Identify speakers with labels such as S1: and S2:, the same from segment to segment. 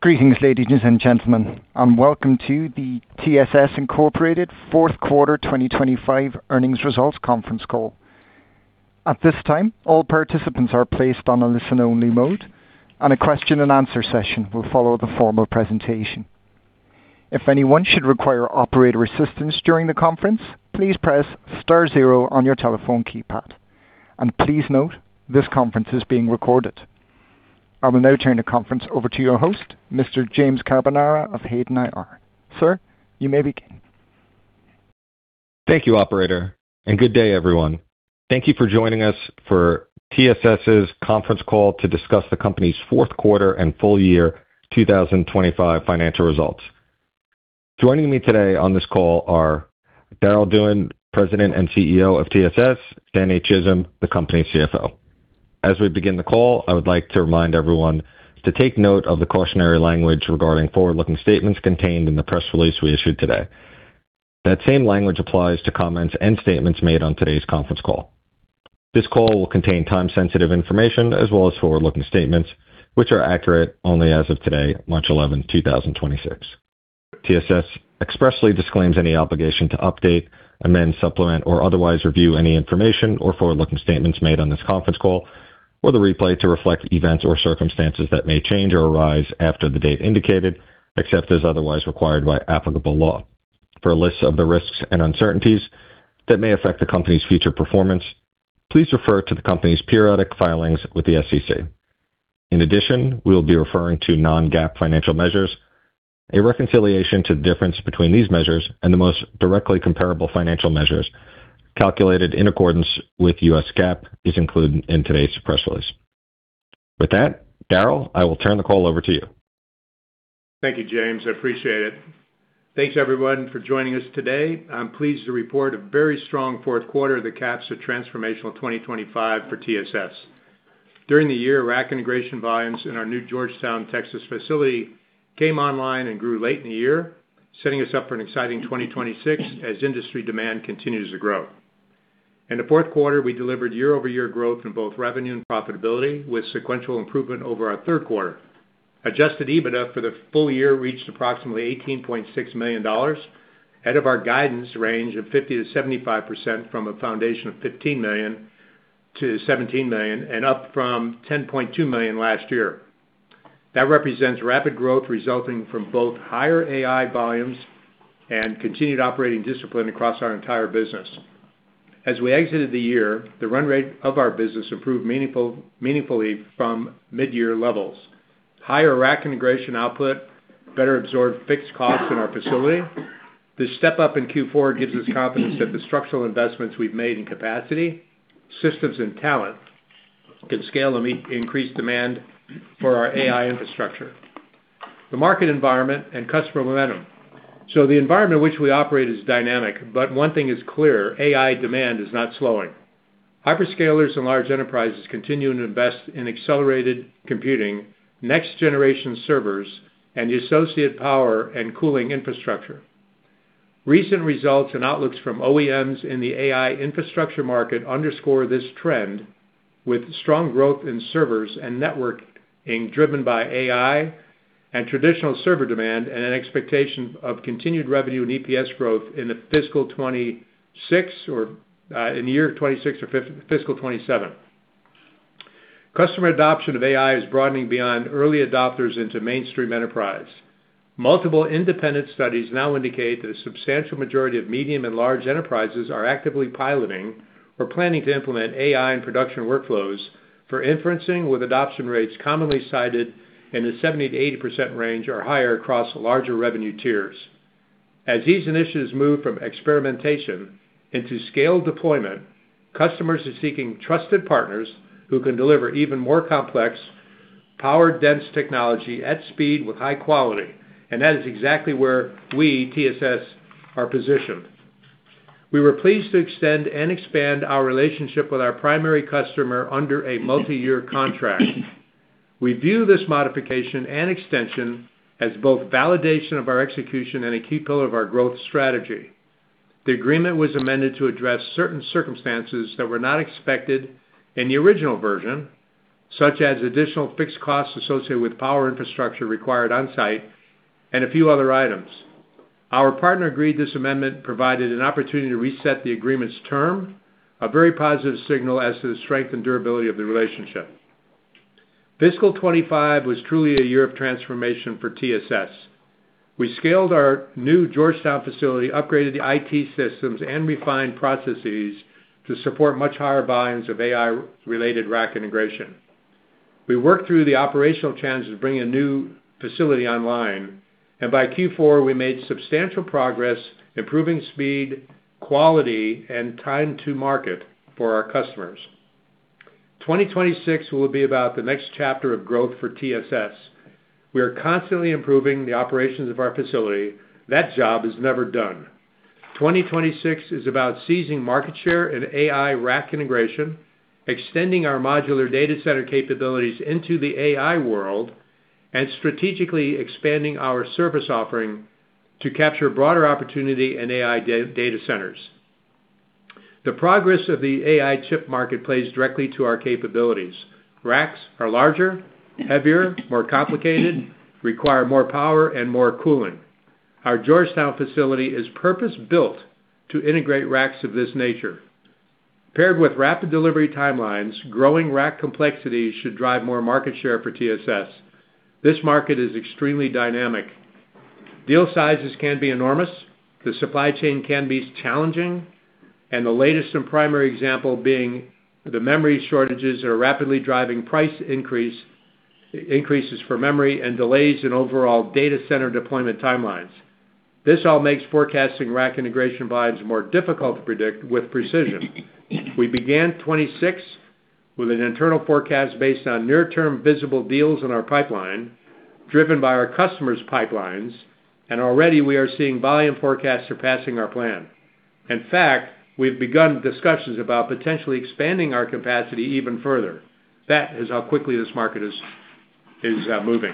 S1: Greetings, ladies and gentlemen, and welcome to the TSS, Inc. fourth quarter 2025 earnings results conference call. At this time, all participants are placed on a listen-only mode, and a question and answer session will follow the formal presentation. If anyone should require operator assistance during the conference, please press star zero on your telephone keypad. Please note this conference is being recorded. I will now turn the conference over to your host, Mr. James Carbonara of Hayden IR. Sir, you may begin.
S2: Thank you, operator, and good day, everyone. Thank you for joining us for TSS's conference call to discuss the company's fourth quarter and full year 2025 financial results. Joining me today on this call are Darryll Dewan, President and CEO of TSS, Danny Chism, the company's CFO. As we begin the call, I would like to remind everyone to take note of the cautionary language regarding forward-looking statements contained in the press release we issued today. That same language applies to comments and statements made on today's conference call. This call will contain time-sensitive information as well as forward-looking statements, which are accurate only as of today, March 11, 2026. TSS expressly disclaims any obligation to update, amend, supplement, or otherwise review any information or forward-looking statements made on this conference call or the replay to reflect events or circumstances that may change or arise after the date indicated, except as otherwise required by applicable law. For a list of the risks and uncertainties that may affect the company's future performance, please refer to the company's periodic filings with the SEC. In addition, we'll be referring to non-GAAP financial measures. A reconciliation to the difference between these measures and the most directly comparable financial measures calculated in accordance with U.S. GAAP is included in today's press release. With that, Darryll, I will turn the call over to you.
S3: Thank you, James. I appreciate it. Thanks, everyone, for joining us today. I'm pleased to report a very strong fourth quarter that caps a transformational 2025 for TSS. During the year, rack integration volumes in our new Georgetown, Texas facility came online and grew late in the year, setting us up for an exciting 2026 as industry demand continues to grow. In the fourth quarter, we delivered year-over-year growth in both revenue and profitability, with sequential improvement over our third quarter. Adjusted EBITDA for the full year reached approximately $18.6 million, ahead of our guidance range of 50%-75% from a foundation of $15 million-$17 million, and up from $10.2 million last year. That represents rapid growth resulting from both higher AI volumes and continued operating discipline across our entire business. As we exited the year, the run rate of our business improved meaningfully from mid-year levels. Higher rack integration output better absorbed fixed costs in our facility. The step-up in Q4 gives us confidence that the structural investments we've made in capacity, systems and talent can scale and meet increased demand for our AI infrastructure. The market environment and customer momentum. The environment in which we operate is dynamic, but one thing is clear: AI demand is not slowing. Hyperscalers and large enterprises continue to invest in accelerated computing, next-generation servers, and the associated power and cooling infrastructure. Recent results and outlooks from OEMs in the AI infrastructure market underscore this trend, with strong growth in servers and networking driven by AI and traditional server demand, and an expectation of continued revenue and EPS growth in the fiscal 2026 or fiscal 2027. Customer adoption of AI is broadening beyond early adopters into mainstream enterprise. Multiple independent studies now indicate that a substantial majority of medium and large enterprises are actively piloting or planning to implement AI in production workflows for inferencing, with adoption rates commonly cited in the 70%-80% range or higher across larger revenue tiers. As these initiatives move from experimentation into scaled deployment, customers are seeking trusted partners who can deliver even more complex, power-dense technology at speed with high quality, and that is exactly where we, TSS, are positioned. We were pleased to extend and expand our relationship with our primary customer under a multi-year contract. We view this modification and extension as both validation of our execution and a key pillar of our growth strategy. The agreement was amended to address certain circumstances that were not expected in the original version, such as additional fixed costs associated with power infrastructure required on-site and a few other items. Our partner agreed this amendment provided an opportunity to reset the agreement's term, a very positive signal as to the strength and durability of the relationship. Fiscal 2025 was truly a year of transformation for TSS. We scaled our new Georgetown facility, upgraded the IT systems, and refined processes to support much higher volumes of AI-related rack integration. We worked through the operational challenges of bringing a new facility online, and by Q4, we made substantial progress improving speed, quality, and time to market for our customers. 2026 will be about the next chapter of growth for TSS. We are constantly improving the operations of our facility. That job is never done. 2026 is about seizing market share in AI rack integration, extending our modular data center capabilities into the AI world, and strategically expanding our service offering to capture broader opportunity in AI data centers. The progress of the AI chip market plays directly to our capabilities. Racks are larger, heavier, more complicated, require more power and more cooling. Our Georgetown facility is purpose-built to integrate racks of this nature. Paired with rapid delivery timelines, growing rack complexity should drive more market share for TSS. This market is extremely dynamic. Deal sizes can be enormous, the supply chain can be challenging, and the latest and primary example being the memory shortages are rapidly driving price increases for memory and delays in overall data center deployment timelines. This all makes forecasting rack integration volumes more difficult to predict with precision. We began 2026 with an internal forecast based on near-term visible deals in our pipeline, driven by our customers' pipelines, and already we are seeing volume forecasts surpassing our plan. In fact, we've begun discussions about potentially expanding our capacity even further. That is how quickly this market is moving.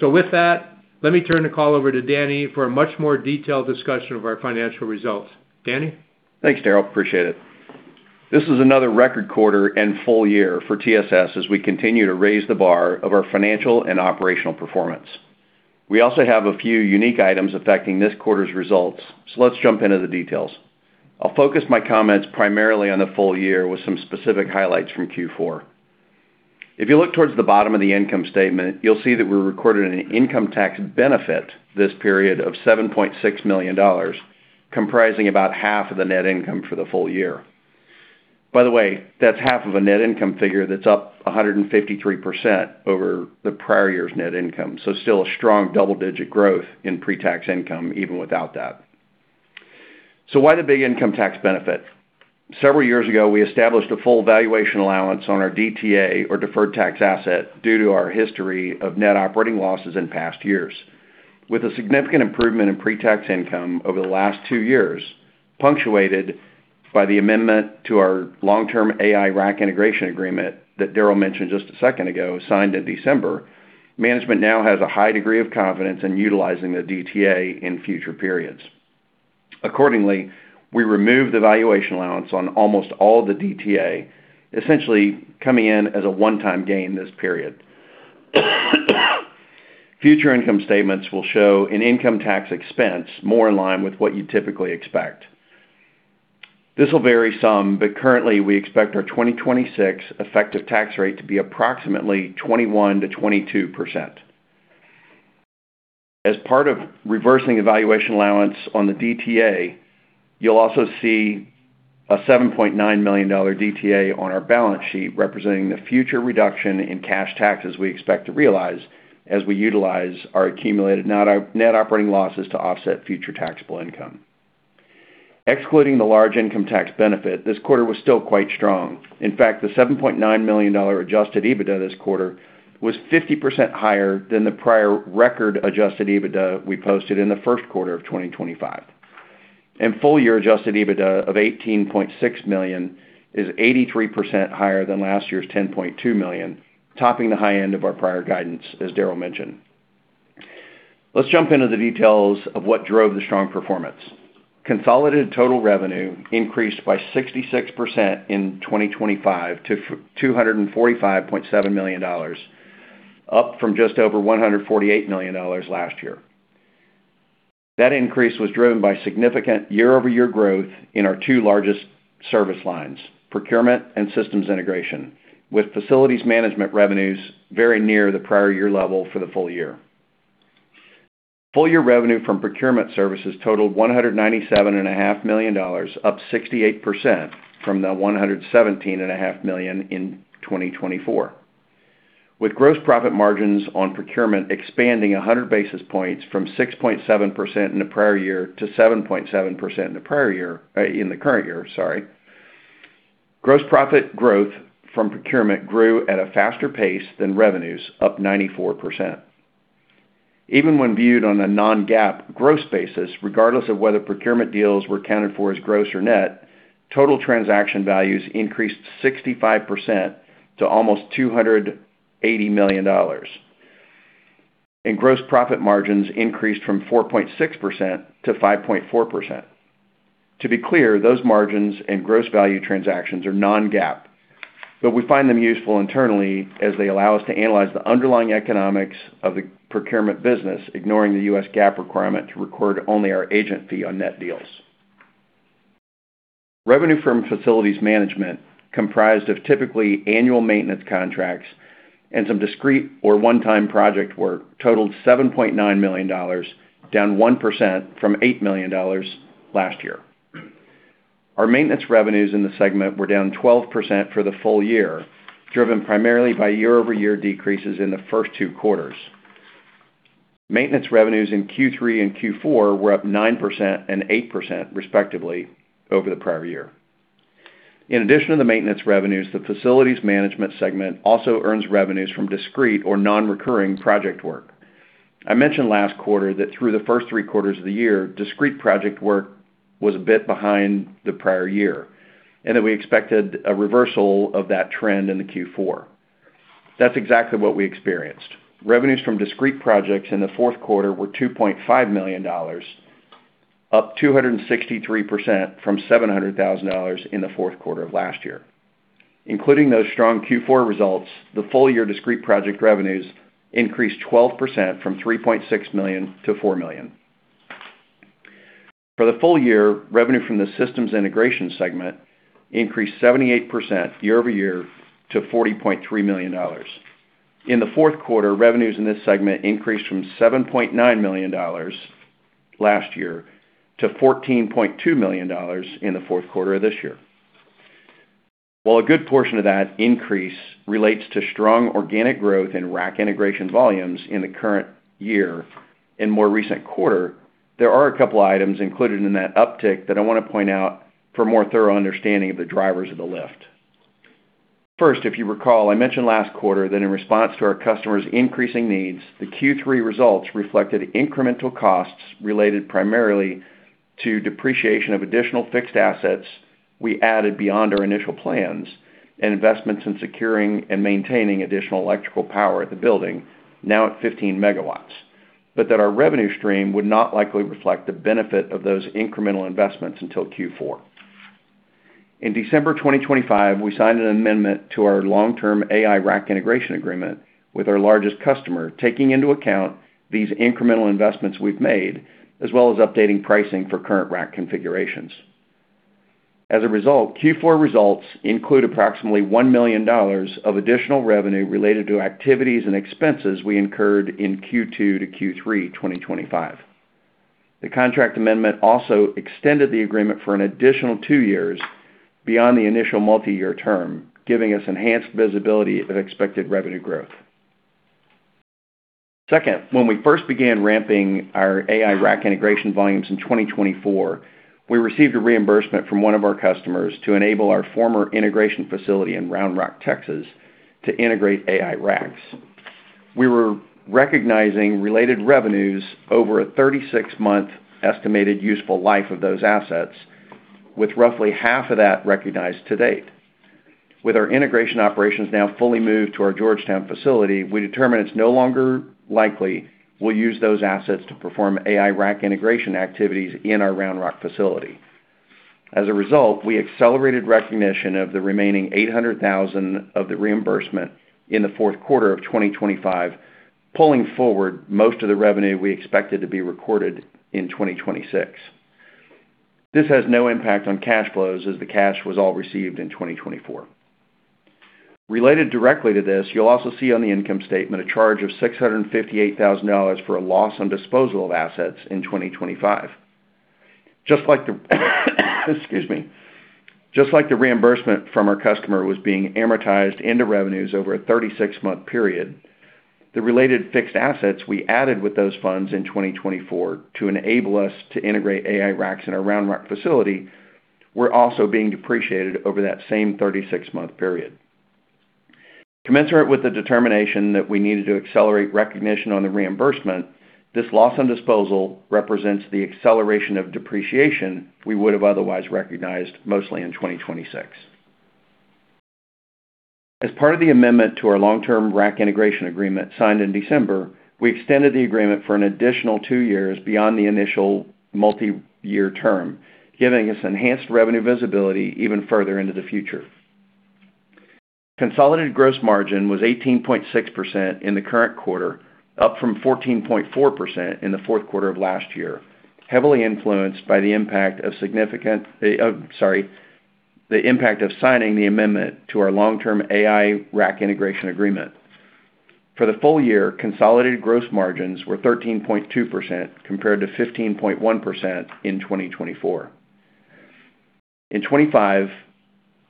S3: With that, let me turn the call over to Danny for a much more detailed discussion of our financial results. Danny?
S4: Thanks, Darryll. Appreciate it. This is another record quarter and full year for TSS as we continue to raise the bar of our financial and operational performance. We also have a few unique items affecting this quarter's results, so let's jump into the details. I'll focus my comments primarily on the full year with some specific highlights from Q4. If you look towards the bottom of the income statement, you'll see that we recorded an income tax benefit this period of $7.6 million, comprising about half of the net income for the full year. By the way, that's half of a net income figure that's up 153% over the prior year's net income. Still a strong double-digit growth in pre-tax income even without that. Why the big income tax benefit? Several years ago, we established a full valuation allowance on our DTA, or deferred tax asset, due to our history of net operating losses in past years. With a significant improvement in pre-tax income over the last two years, punctuated by the amendment to our long-term AI rack integration agreement that Darryll mentioned just a second ago, signed in December, management now has a high degree of confidence in utilizing the DTA in future periods. Accordingly, we removed the valuation allowance on almost all the DTA, essentially coming in as a one-time gain this period. Future income statements will show an income tax expense more in line with what you'd typically expect. This will vary some, but currently, we expect our 2026 effective tax rate to be approximately 21%-22%. As part of reversing the valuation allowance on the DTA, you'll also see a $7.9 million DTA on our balance sheet, representing the future reduction in cash taxes we expect to realize as we utilize our accumulated net operating losses to offset future taxable income. Excluding the large income tax benefit, this quarter was still quite strong. In fact, the $7.9 million adjusted EBITDA this quarter was 50% higher than the prior record adjusted EBITDA we posted in the first quarter of 2025. Full year adjusted EBITDA of $18.6 million is 83% higher than last year's $10.2 million, topping the high end of our prior guidance, as Darryll mentioned. Let's jump into the details of what drove the strong performance. Consolidated total revenue increased by 66% in 2025 to $245.7 million, up from just over $148 million last year. That increase was driven by significant year-over-year growth in our two largest service lines, procurement and systems integration, with facilities management revenues very near the prior year level for the full year. Full year revenue from procurement services totaled $197.5 million, up 68% from the $117.5 million in 2024. With gross profit margins on procurement expanding 100 basis points from 6.7% in the prior year to 7.7% in the current year, gross profit growth from procurement grew at a faster pace than revenues, up 94%. Even when viewed on a non-GAAP gross basis, regardless of whether procurement deals were accounted for as gross or net, total transaction values increased 65% to almost $280 million. Gross profit margins increased from 4.6% to 5.4%. To be clear, those margins and gross value transactions are non-GAAP, but we find them useful internally as they allow us to analyze the underlying economics of the procurement business, ignoring the U.S. GAAP requirement to record only our agent fee on net deals. Revenue from facilities management, comprised of typically annual maintenance contracts and some discrete or one-time project work, totaled $7.9 million, down 1% from $8 million last year. Our maintenance revenues in the segment were down 12% for the full year, driven primarily by year-over-year decreases in the first two quarters. Maintenance revenues in Q3 and Q4 were up 9% and 8% respectively over the prior year. In addition to the maintenance revenues, the facilities management segment also earns revenues from discrete or non-recurring project work. I mentioned last quarter that through the first three quarters of the year, discrete project work was a bit behind the prior year, and that we expected a reversal of that trend in Q4. That's exactly what we experienced. Revenues from discrete projects in the fourth quarter were $2.5 million, up 263% from $700,000 in the fourth quarter of last year. Including those strong Q4 results, the full year discrete project revenues increased 12% from $3.6 million to $4 million. For the full year, revenue from the systems integration segment increased 78% year-over-year to $40.3 million. In the fourth quarter, revenues in this segment increased from $7.9 million last year to $14.2 million in the fourth quarter of this year. While a good portion of that increase relates to strong organic growth in rack integration volumes in the current year, in more recent quarter, there are a couple items included in that uptick that I want to point out for more thorough understanding of the drivers of the lift. First, if you recall, I mentioned last quarter that in response to our customers' increasing needs, the Q3 results reflected incremental costs related primarily to depreciation of additional fixed assets we added beyond our initial plans and investments in securing and maintaining additional electrical power at the building, now at 15 MW, but that our revenue stream would not likely reflect the benefit of those incremental investments until Q4. In December 2025, we signed an amendment to our long-term AI rack integration agreement with our largest customer, taking into account these incremental investments we've made, as well as updating pricing for current rack configurations. As a result, Q4 results include approximately $1 million of additional revenue related to activities and expenses we incurred in Q2 to Q3 2025. The contract amendment also extended the agreement for an additional two years beyond the initial multiyear term, giving us enhanced visibility of expected revenue growth. Second, when we first began ramping our AI rack integration volumes in 2024, we received a reimbursement from one of our customers to enable our former integration facility in Round Rock, Texas, to integrate AI racks. We were recognizing related revenues over a 36-month estimated useful life of those assets, with roughly half of that recognized to date. With our integration operations now fully moved to our Georgetown facility, we determine it's no longer likely we'll use those assets to perform AI rack integration activities in our Round Rock facility. As a result, we accelerated recognition of the remaining $800,000 of the reimbursement in the fourth quarter of 2025, pulling forward most of the revenue we expected to be recorded in 2026. This has no impact on cash flows as the cash was all received in 2024. Related directly to this, you'll also see on the income statement a charge of $658,000 for a loss on disposal of assets in 2025. Just like the reimbursement from our customer was being amortized into revenues over a 36-month period, the related fixed assets we added with those funds in 2024 to enable us to integrate AI racks in our Round Rock facility were also being depreciated over that same 36-month period. Commensurate with the determination that we needed to accelerate recognition on the reimbursement, this loss on disposal represents the acceleration of depreciation we would have otherwise recognized mostly in 2026. As part of the amendment to our long-term rack integration agreement signed in December, we extended the agreement for an additional two years beyond the initial multiyear term, giving us enhanced revenue visibility even further into the future. Consolidated gross margin was 18.6% in the current quarter, up from 14.4% in the fourth quarter of last year, heavily influenced by the impact of signing the amendment to our long-term AI rack integration agreement. For the full year, consolidated gross margins were 13.2% compared to 15.1% in 2024. In 2025,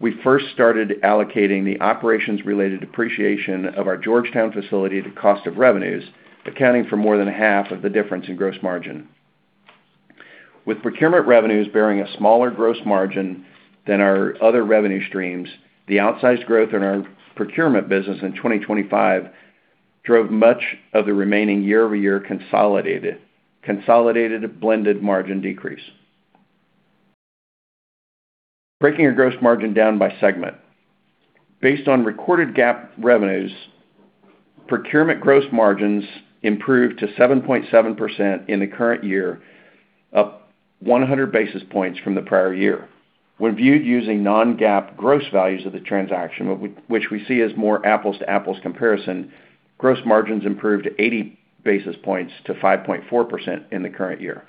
S4: we first started allocating the operations-related depreciation of our Georgetown facility to cost of revenues, accounting for more than half of the difference in gross margin. With procurement revenues bearing a smaller gross margin than our other revenue streams, the outsized growth in our procurement business in 2025 drove much of the remaining year-over-year consolidated blended margin decrease. Breaking our gross margin down by segment. Based on recorded GAAP revenues, procurement gross margins improved to 7.7% in the current year, up 100 basis points from the prior year. When viewed using non-GAAP gross values of the transaction, which we see as more apples to apples comparison, gross margins improved 80 basis points to 5.4% in the current year.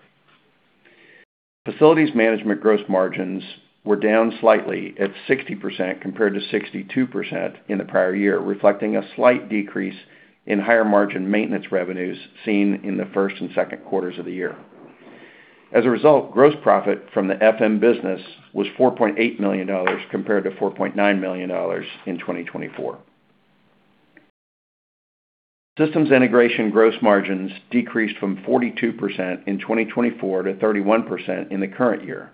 S4: Facilities management gross margins were down slightly at 60% compared to 62% in the prior year, reflecting a slight decrease in higher margin maintenance revenues seen in the first and second quarters of the year. As a result, gross profit from the FM business was $4.8 million compared to $4.9 million in 2024. Systems integration gross margins decreased from 42% in 2024 to 31% in the current year.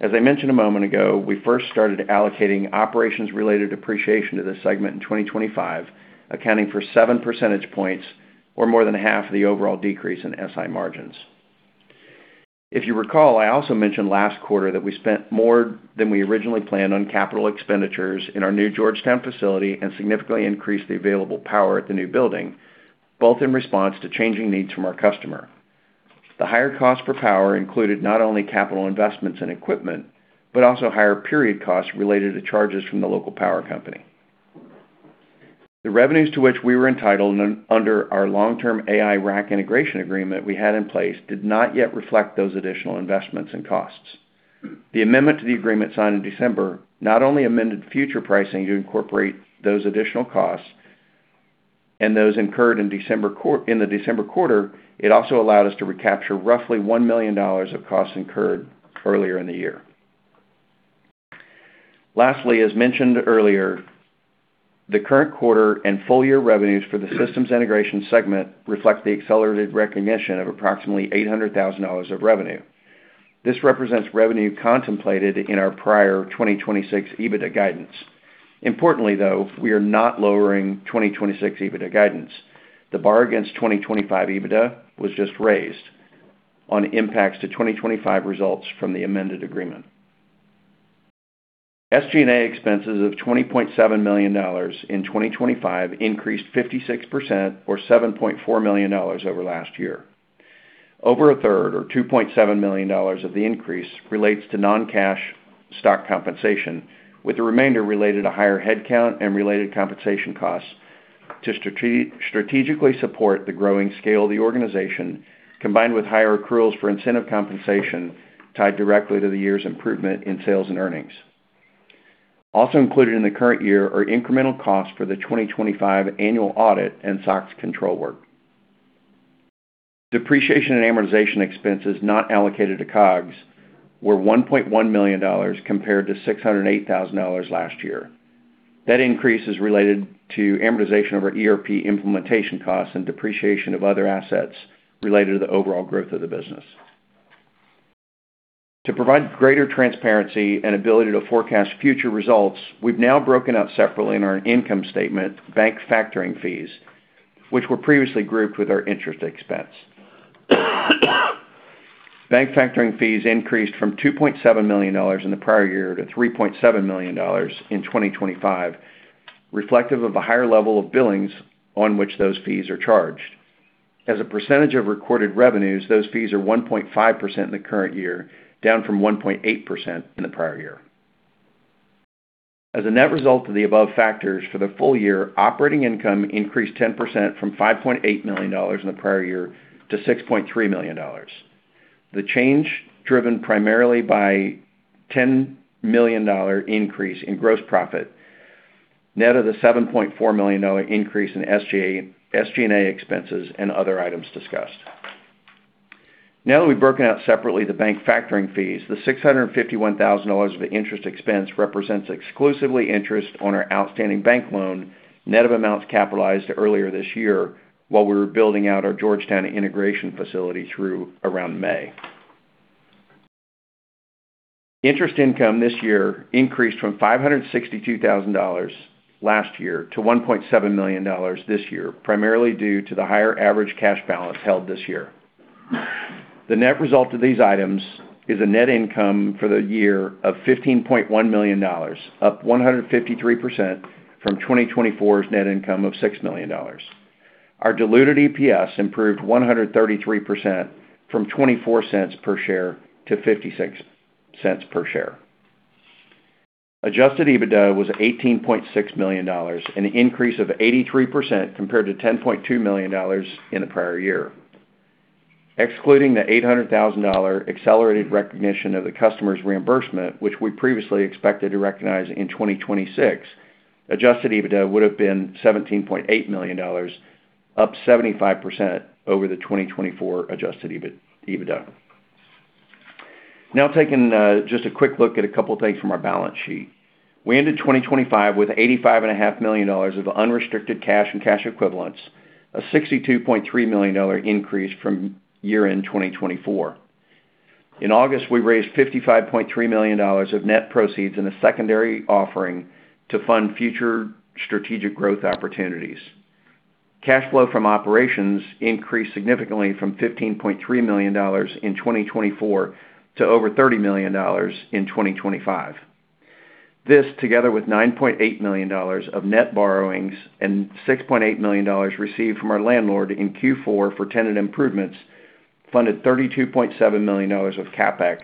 S4: As I mentioned a moment ago, we first started allocating operations-related depreciation to this segment in 2025, accounting for 7 percentage points or more than half of the overall decrease in SI margins. If you recall, I also mentioned last quarter that we spent more than we originally planned on capital expenditures in our new Georgetown facility and significantly increased the available power at the new building, both in response to changing needs from our customer. The higher cost per power included not only capital investments in equipment, but also higher period costs related to charges from the local power company. The revenues to which we were entitled under our long-term AI rack integration agreement we had in place did not yet reflect those additional investments and costs. The amendment to the agreement signed in December not only amended future pricing to incorporate those additional costs and those incurred in the December quarter, it also allowed us to recapture roughly $1 million of costs incurred earlier in the year. Lastly, as mentioned earlier, the current quarter and full year revenues for the systems integration segment reflect the accelerated recognition of approximately $800,000 of revenue. This represents revenue contemplated in our prior 2026 EBITDA guidance. Importantly, though, we are not lowering 2026 EBITDA guidance. The bar against 2025 EBITDA was just raised on impacts to 2025 results from the amended agreement. SG&A expenses of $20.7 million in 2025 increased 56% or $7.4 million over last year. Over a third, or $2.7 million of the increase relates to non-cash stock compensation, with the remainder related to higher headcount and related compensation costs to strategically support the growing scale of the organization, combined with higher accruals for incentive compensation tied directly to the year's improvement in sales and earnings. Also included in the current year are incremental costs for the 2025 annual audit and SOX control work. Depreciation and amortization expenses not allocated to COGS were $1.1 million compared to $608,000 last year. That increase is related to amortization of our ERP implementation costs and depreciation of other assets related to the overall growth of the business. To provide greater transparency and ability to forecast future results, we've now broken out separately in our income statement bank factoring fees, which were previously grouped with our interest expense. Bank factoring fees increased from $2.7 million in the prior year to $3.7 million in 2025, reflective of a higher level of billings on which those fees are charged. As a percentage of recorded revenues, those fees are 1.5% in the current year, down from 1.8% in the prior year. As a net result of the above factors for the full year, operating income increased 10% from $5.8 million in the prior year to $6.3 million. The change driven primarily by $10 million increase in gross profit, net of the $7.4 million increase in SG&A expenses and other items discussed. Now that we've broken out separately the bank factoring fees, the $651,000 of interest expense represents exclusively interest on our outstanding bank loan, net of amounts capitalized earlier this year while we were building out our Georgetown integration facility through around May. Interest income this year increased from $562,000 last year to $1.7 million this year, primarily due to the higher average cash balance held this year. The net result of these items is a net income for the year of $15.1 million, up 153% from 2024's net income of $6 million. Our diluted EPS improved 133% from $0.24 per share to $0.56 per share. Adjusted EBITDA was $18.6 million, an increase of 83% compared to $10.2 million in the prior year. Excluding the $800,000 accelerated recognition of the customer's reimbursement, which we previously expected to recognize in 2026, adjusted EBITDA would've been $17.8 million, up 75% over the 2024 adjusted EBITDA. Now taking just a quick look at a couple things from our balance sheet. We ended 2025 with $85.5 million of unrestricted cash and cash equivalents, a $62.3 million increase from year-end 2024. In August, we raised $55.3 million of net proceeds in a secondary offering to fund future strategic growth opportunities. Cash flow from operations increased significantly from $15.3 million in 2024 to over $30 million in 2025. This, together with $9.8 million of net borrowings and $6.8 million received from our landlord in Q4 for tenant improvements, funded $32.7 million of CapEx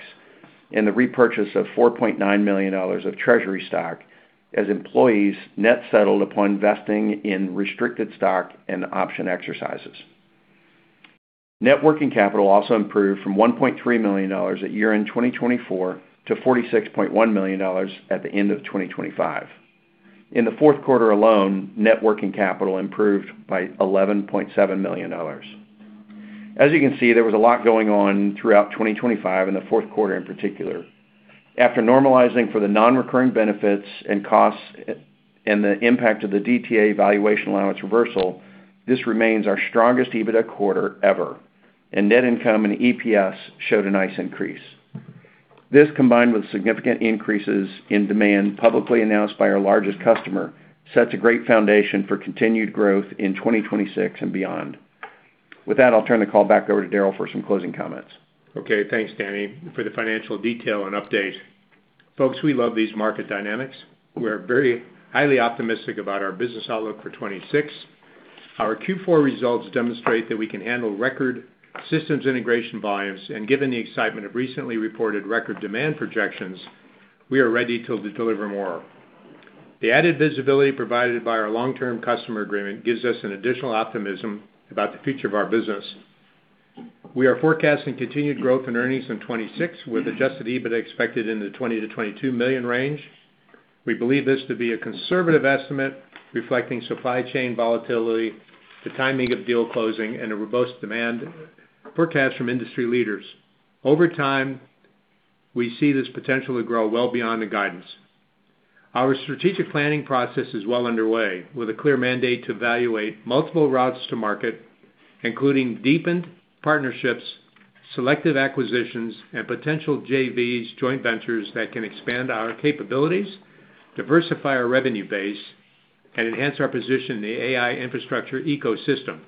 S4: and the repurchase of $4.9 million of Treasury stock as employees net settled upon vesting in restricted stock and option exercises. Net working capital also improved from $1.3 million at year-end 2024 to $46.1 million at the end of 2025. In the fourth quarter alone, net working capital improved by $11.7 million. As you can see, there was a lot going on throughout 2025, in the fourth quarter in particular. After normalizing for the non-recurring benefits and costs and the impact of the DTA valuation allowance reversal, this remains our strongest EBITDA quarter ever, and net income and EPS showed a nice increase. This, combined with significant increases in demand publicly announced by our largest customer, sets a great foundation for continued growth in 2026 and beyond. With that, I'll turn the call back over to Darryll for some closing comments.
S3: Okay. Thanks, Danny, for the financial detail and update. Folks, we love these market dynamics. We're very highly optimistic about our business outlook for 2026. Our Q4 results demonstrate that we can handle record systems integration volumes, and given the excitement of recently reported record demand projections, we are ready to deliver more. The added visibility provided by our long-term customer agreement gives us an additional optimism about the future of our business. We are forecasting continued growth in earnings in 2026, with adjusted EBIT expected in the $20-$22 million range. We believe this to be a conservative estimate reflecting supply chain volatility, the timing of deal closing, and a robust demand forecast from industry leaders. Over time, we see this potential to grow well beyond the guidance. Our strategic planning process is well underway, with a clear mandate to evaluate multiple routes to market, including deepened partnerships, selective acquisitions, and potential JVs, joint ventures that can expand our capabilities, diversify our revenue base, and enhance our position in the AI infrastructure ecosystem.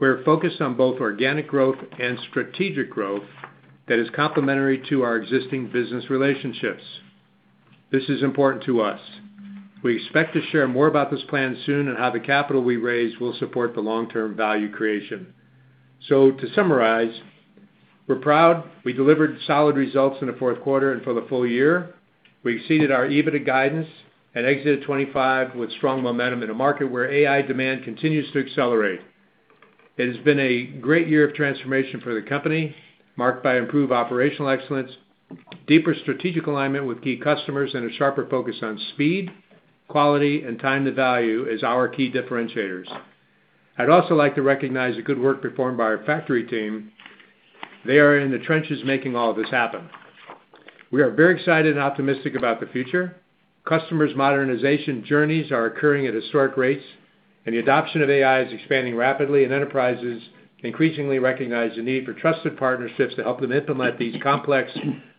S3: We're focused on both organic growth and strategic growth that is complementary to our existing business relationships. This is important to us. We expect to share more about this plan soon and how the capital we raise will support the long-term value creation. To summarize, we're proud we delivered solid results in the fourth quarter and for the full year. We exceeded our EBITDA guidance and exited 2025 with strong momentum in a market where AI demand continues to accelerate. It has been a great year of transformation for the company, marked by improved operational excellence, deeper strategic alignment with key customers, and a sharper focus on speed, quality, and time to value as our key differentiators. I'd also like to recognize the good work performed by our factory team. They are in the trenches making all this happen. We are very excited and optimistic about the future. Customers' modernization journeys are occurring at historic rates, and the adoption of AI is expanding rapidly, and enterprises increasingly recognize the need for trusted partnerships to help them implement these complex,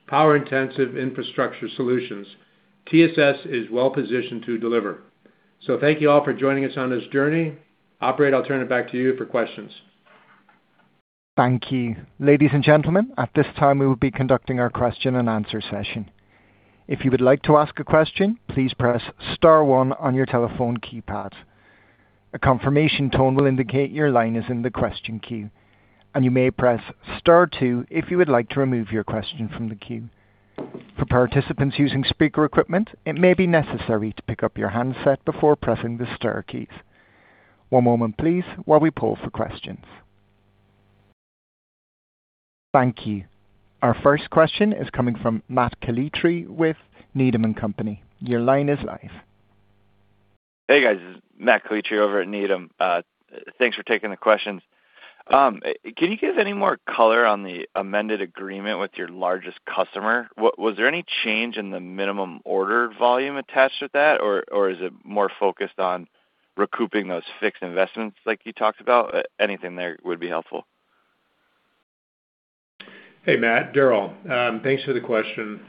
S3: power-intensive infrastructure solutions. TSS is well positioned to deliver. Thank you all for joining us on this journey. Operator, I'll turn it back to you for questions.
S1: Thank you. Ladies and gentlemen, at this time, we will be conducting our question-and-answer session. If you would like to ask a question, please press star one on your telephone keypad. A confirmation tone will indicate your line is in the question queue, and you may press star two if you would like to remove your question from the queue. For participants using speaker equipment, it may be necessary to pick up your handset before pressing the star keys. One moment, please, while we pull for questions. Thank you. Our first question is coming from Matthew Calitri with Needham & Company. Your line is live.
S5: Hey, guys. This is Matthew Calitri over at Needham. Thanks for taking the questions. Can you give any more color on the amended agreement with your largest customer? Was there any change in the minimum order volume attached with that, or is it more focused on recouping those fixed investments like you talked about? Anything there would be helpful.
S3: Hey, Matthew. Darryll. Thanks for the question.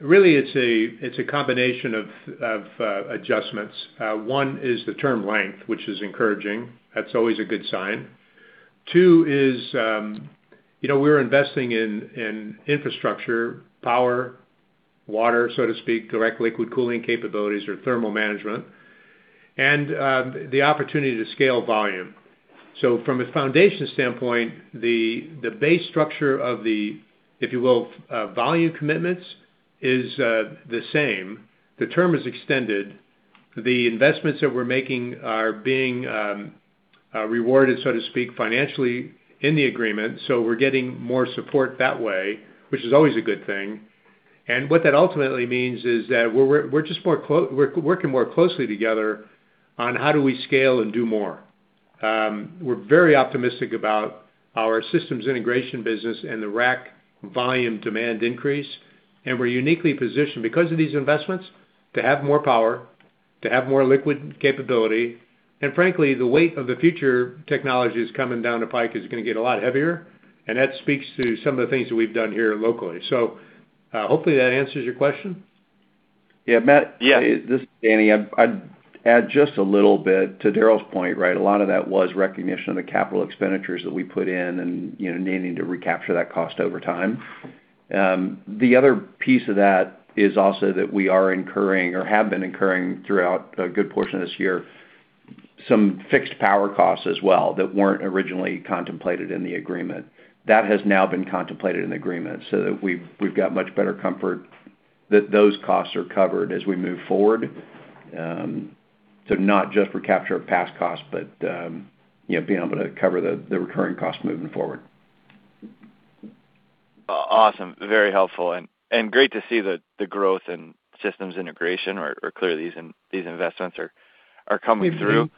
S3: Really, it's a combination of adjustments. One is the term length, which is encouraging. That's always a good sign. Two is, you know, we're investing in infrastructure, power, water, so to speak, direct liquid cooling capabilities or thermal management, and the opportunity to scale volume. So from a foundation standpoint, the base structure of the, if you will, volume commitments is the same. The term is extended. The investments that we're making are being rewarded, so to speak, financially in the agreement, so we're getting more support that way, which is always a good thing. What that ultimately means is that we're working more closely together on how do we scale and do more. We're very optimistic about our systems integration business and the rack volume demand increase, and we're uniquely positioned because of these investments to have more power, to have more liquid capability, and frankly, the weight of the future technologies coming down the pike is gonna get a lot heavier, and that speaks to some of the things that we've done here locally. Hopefully that answers your question.
S4: Yeah. Matt-
S5: Yeah.
S4: This is Danny Chism. I'd add just a little bit to Darryll Dewan's point, right? A lot of that was recognition of the capital expenditures that we put in and, you know, needing to recapture that cost over time. The other piece of that is also that we are incurring or have been incurring throughout a good portion of this year some fixed power costs as well that weren't originally contemplated in the agreement. That has now been contemplated in the agreement so that we've got much better comfort that those costs are covered as we move forward, to not just recapture past costs, but, you know, being able to cover the recurring costs moving forward.
S5: Awesome. Very helpful and great to see the growth in systems integration or clearly these investments are coming through.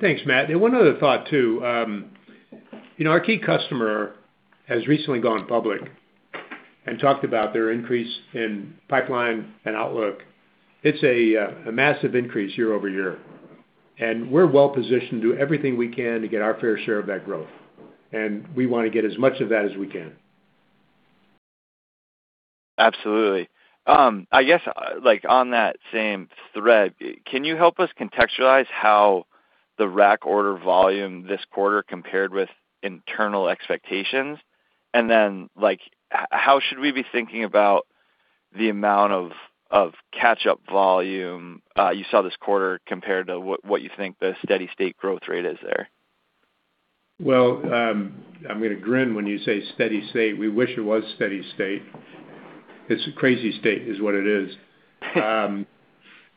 S3: Thanks, Matt. One other thought too. You know, our key customer has recently gone public and talked about their increase in pipeline and outlook. It's a massive increase year over year. We're well positioned to do everything we can to get our fair share of that growth. We wanna get as much of that as we can.
S5: Absolutely. I guess, like, on that same thread, can you help us contextualize how the rack order volume this quarter compared with internal expectations? Like, how should we be thinking about the amount of catch-up volume you saw this quarter compared to what you think the steady-state growth rate is there?
S3: Well, I'm gonna grin when you say steady state. We wish it was steady state. It's a crazy state, is what it is.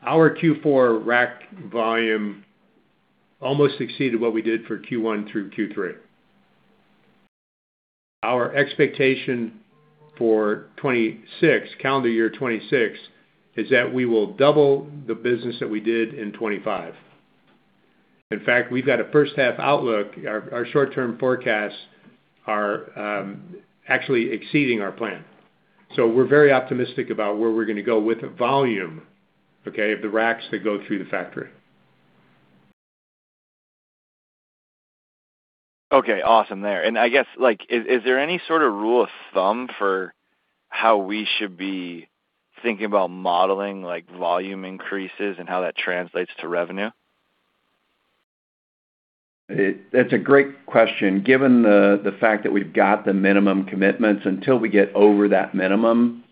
S3: Our Q4 rack volume almost exceeded what we did for Q1 through Q3. Our expectation for 2026, calendar year 2026, is that we will double the business that we did in 2025. In fact, we've got a first half outlook. Our short-term forecasts are actually exceeding our plan. We're very optimistic about where we're gonna go with the volume, okay, of the racks that go through the factory.
S5: Okay, awesome there. I guess, like, is there any sort of rule of thumb for how we should be thinking about modeling, like volume increases and how that translates to revenue?
S3: That's a great question. Given the fact that we've got the minimum commitments, until we get over that minimum,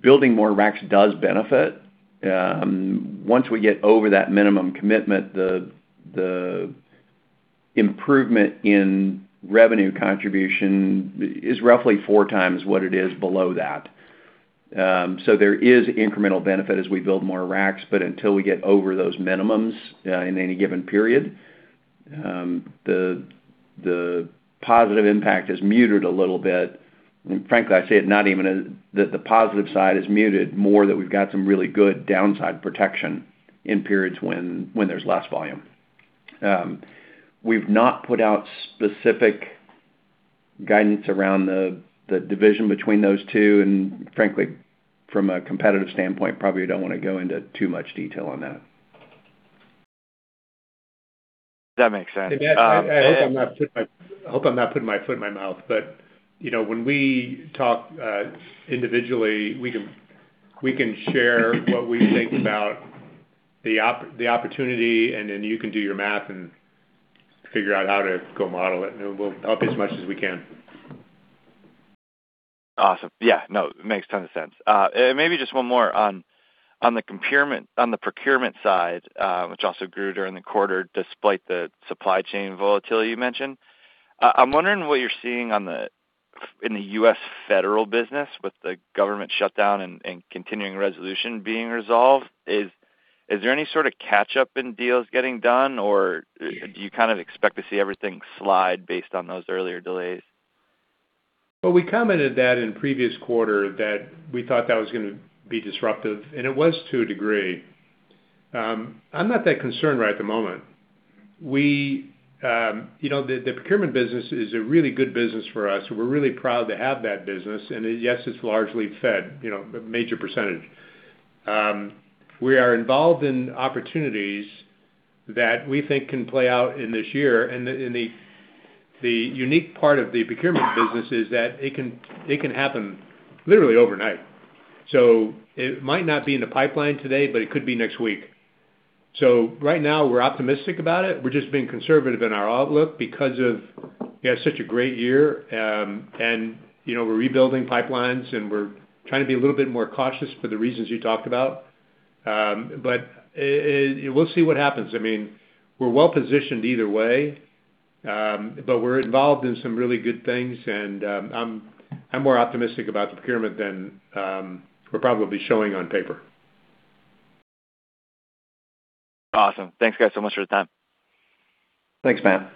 S3: building more racks does benefit. Once we get over that minimum commitment, the improvement in revenue contribution is roughly four times what it is below that. There is incremental benefit as we build more racks, but until we get over those minimums, in any given period, the positive impact is muted a little bit. Frankly, I'd say it's not even that the positive side is muted, more that we've got some really good downside protection in periods when there's less volume. We've not put out specific guidance around the division between those two, and frankly, from a competitive standpoint, probably don't wanna go into too much detail on that.
S5: That makes sense.
S3: Matt, I hope I'm not putting my foot in my mouth, but you know, when we talk individually, we can share what we think about the opportunity, and then you can do your math and figure out how to go model it, and we'll help as much as we can.
S5: Awesome. Yeah, no, it makes a ton of sense. Maybe just one more on the procurement side, which also grew during the quarter despite the supply chain volatility you mentioned. I'm wondering what you're seeing in the U.S. federal business with the government shutdown and continuing resolution being resolved? Is there any sort of catch-up in deals getting done, or do you kind of expect to see everything slide based on those earlier delays?
S3: Well, we commented that in previous quarter, that we thought that was gonna be disruptive, and it was to a degree. I'm not that concerned right at the moment. We, you know, the procurement business is a really good business for us. We're really proud to have that business. Yes, it's largely fed, you know, a major percentage. We are involved in opportunities that we think can play out in this year. The unique part of the procurement business is that it can happen literally overnight. It might not be in the pipeline today, but it could be next week. Right now we're optimistic about it. We're just being conservative in our outlook because we had such a great year, and you know, we're rebuilding pipelines, and we're trying to be a little bit more cautious for the reasons you talked about. We'll see what happens. I mean, we're well positioned either way, but we're involved in some really good things, and I'm more optimistic about the procurement than we're probably showing on paper.
S5: Awesome. Thanks guys so much for the time.
S3: Thanks, Matt.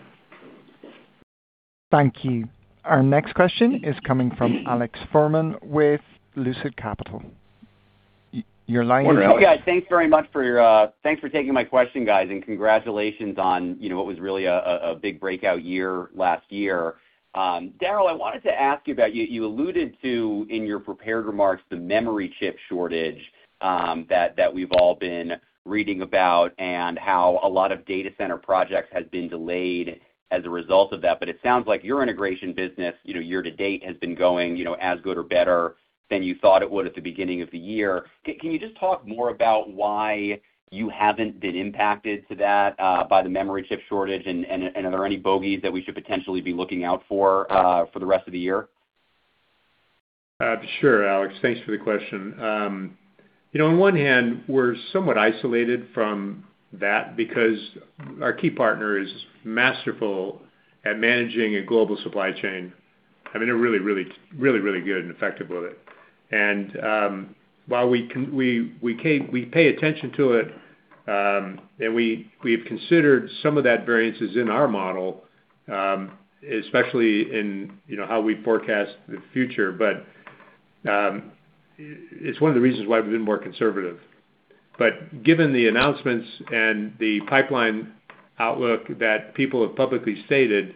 S1: Thank you. Our next question is coming from Alex Foreman with KKR. Your line is open.
S6: Thanks for taking my question, guys, and congratulations on, you know, what was really a big breakout year last year. Darryll, I wanted to ask you about what you alluded to in your prepared remarks the memory chip shortage, that we've all been reading about and how a lot of data center projects has been delayed as a result of that? It sounds like your integration business, you know, year to date has been going, you know, as good or better than you thought it would at the beginning of the year. Can you just talk more about why you haven't been impacted too by the memory chip shortage, and are there any bogeys that we should potentially be looking out for the rest of the year?
S3: Sure, Alex. Thanks for the question. You know, on one hand, we're somewhat isolated from that because our key partner is masterful at managing a global supply chain. I mean, they're really good and effective with it. While we pay attention to it, and we've considered some of that variances in our model, especially in, you know, how we forecast the future. It's one of the reasons why we've been more conservative. Given the announcements and the pipeline outlook that people have publicly stated,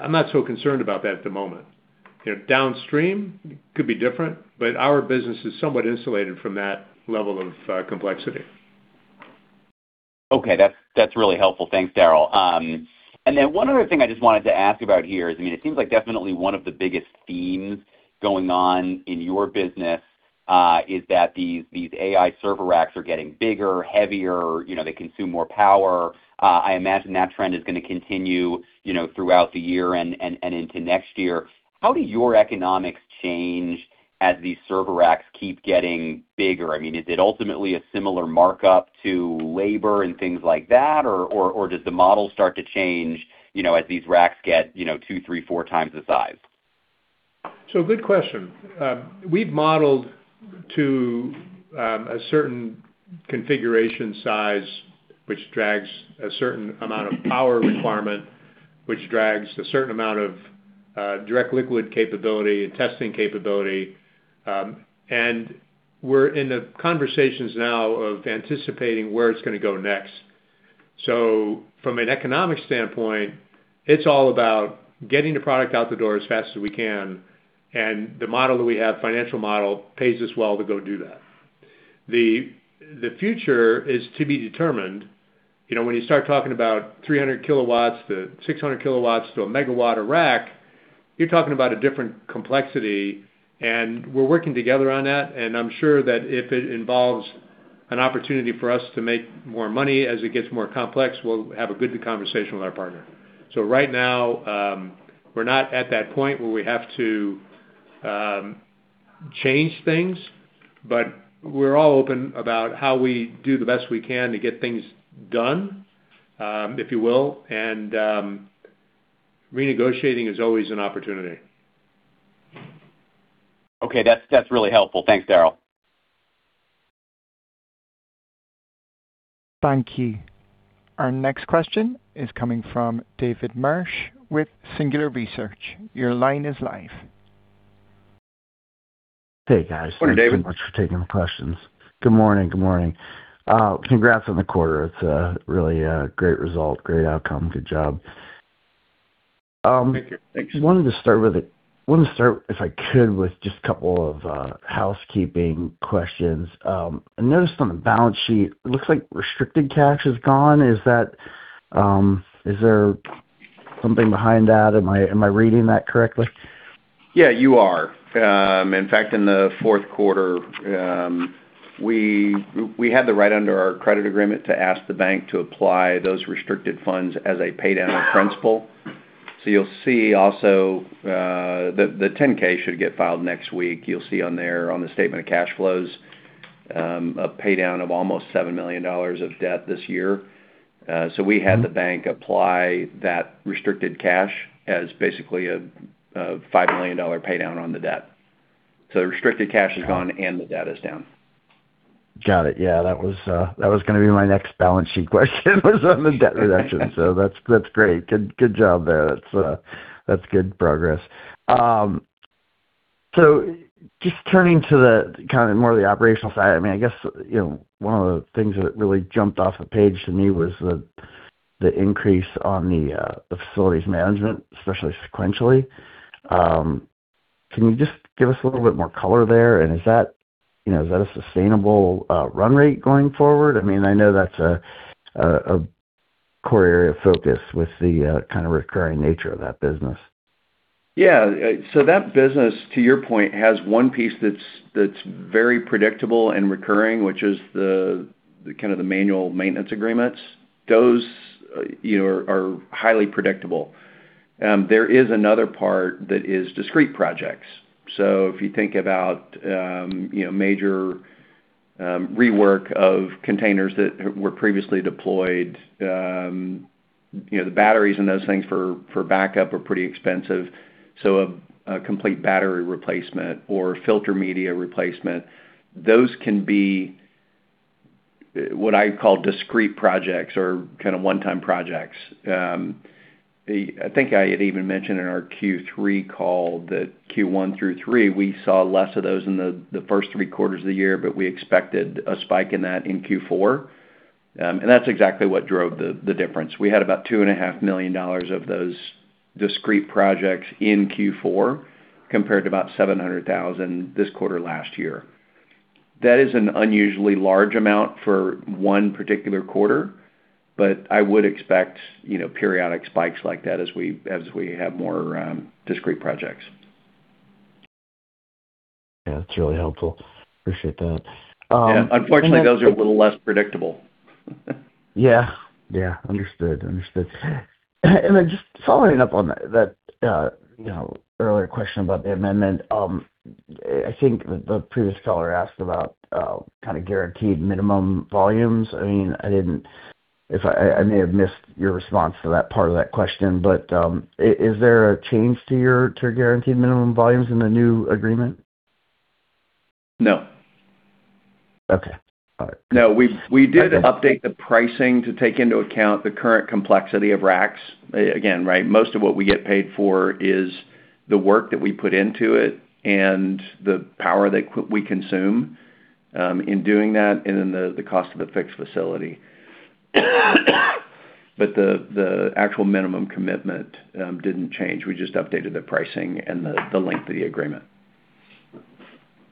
S3: I'm not so concerned about that at the moment. You know, downstream could be different, but our business is somewhat insulated from that level of complexity.
S6: That's really helpful. Thanks, Darryll. And then one other thing I just wanted to ask about here is, I mean, it seems like definitely one of the biggest themes going on in your business is that these AI server racks are getting bigger, heavier. You know, they consume more power. I imagine that trend is gonna continue, you know, throughout the year and into next year. How do your economics change as these server racks keep getting bigger? I mean, is it ultimately a similar markup to labor and things like that, or does the model start to change, you know, as these racks get, you know, two, three, four times the size?
S3: Good question. We've modeled to a certain configuration size, which draws a certain amount of power requirement, which draws a certain amount of direct liquid cooling capability and testing capability. We're in the conversations now of anticipating where it's gonna go next. From an economic standpoint, it's all about getting the product out the door as fast as we can, and the model that we have, financial model, pays us well to go do that. The future is to be determined. You know, when you start talking about 300 KW to 600 KW to 1 MW rack, you're talking about a different complexity, and we're working together on that. I'm sure that if it involves an opportunity for us to make more money as it gets more complex, we'll have a good conversation with our partner. Right now, we're not at that point where we have to change things, but we're all open about how we do the best we can to get things done, if you will. Renegotiating is always an opportunity.
S6: Okay. That's really helpful. Thanks, Darryll.
S1: Thank you. Our next question is coming from David Marsh with Singular Research. Your line is live.
S7: Hey, guys.
S3: Good morning, David.
S7: Thanks so much for taking the questions. Good morning. Good morning. Congrats on the quarter. It's really a great result, great outcome. Good job. I wanted to start, if I could, with just a couple of housekeeping questions? I noticed on the balance sheet, it looks like restricted cash is gone. Is that, is there something behind that? Am I reading that correctly?
S3: Yeah, you are. In fact, in the fourth quarter, we had the right under our credit agreement to ask the bank to apply those restricted funds as a pay down of principal. You'll see also, the 10-K should get filed next week. You'll see on there, on the statement of cash flows, a pay down of almost $7 million of debt this year. We had the bank apply that restricted cash as basically a $5 million pay down on the debt. The restricted cash is gone and the debt is down.
S7: Got it. Yeah, that was gonna be my next balance sheet question, was on the debt reduction. That's great. Good job there. That's good progress. Just turning to the kind of more the operational side, I mean, I guess, you know, one of the things that really jumped off the page to me was the increase on the facilities management, especially sequentially. Can you just give us a little bit more color there? Is that a sustainable run rate going forward? I mean, I know that's a core area of focus with the kind of recurring nature of that business.
S3: Yeah. That business, to your point, has one piece that's very predictable and recurring, which is the kind of manual maintenance agreements. Those, you know, are highly predictable. There is another part that is discrete projects. If you think about, you know, major rework of containers that were previously deployed, you know, the batteries and those things for backup are pretty expensive. A complete battery replacement or filter media replacement, those can be what I call discrete projects or kinda one-time projects. I think I had even mentioned in our Q3 call that Q1 through Q3, we saw less of those in the first three quarters of the year, but we expected a spike in that in Q4. That's exactly what drove the difference. We had about $2.5 million of those discrete projects in Q4, compared to about $700,000 this quarter last year. That is an unusually large amount for one particular quarter, but I would expect, you know, periodic spikes like that as we have more discrete projects.
S7: Yeah. That's really helpful. Appreciate that.
S3: Yeah. Unfortunately, those are a little less predictable.
S7: Yeah. Understood. Just following up on that, you know, earlier question about the amendment. I think the previous caller asked about kinda guaranteed minimum volumes. If I may have missed your response to that part of that question, but is there a change to your guaranteed minimum volumes in the new agreement?
S3: No.
S7: Okay. All right.
S3: No, we did update the pricing to take into account the current complexity of racks. Again, right, most of what we get paid for is the work that we put into it and the power that we consume in doing that and in the cost of the fixed facility. The actual minimum commitment didn't change. We just updated the pricing and the length of the agreement.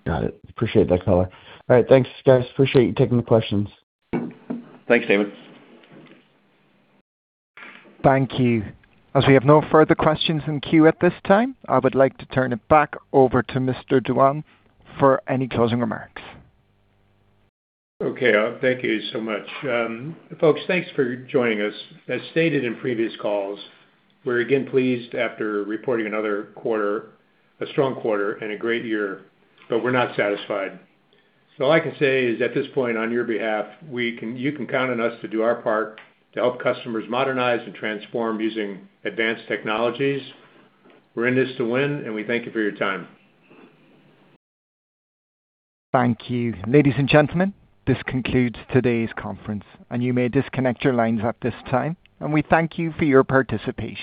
S7: Got it. Appreciate that color. All right. Thanks, guys. Appreciate you taking the questions.
S3: Thanks, David.
S1: Thank you. As we have no further questions in queue at this time, I would like to turn it back over to Mr. Dewan for any closing remarks.
S3: Okay. Thank you so much. Folks, thanks for joining us. As stated in previous calls, we're again pleased after reporting another quarter, a strong quarter and a great year, but we're not satisfied. All I can say is at this point on your behalf, you can count on us to do our part to help customers modernize and transform using advanced technologies. We're in this to win, and we thank you for your time.
S1: Thank you. Ladies and gentlemen, this concludes today's conference, and you may disconnect your lines at this time, and we thank you for your participation.